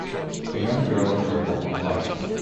A young girl in purple on a bike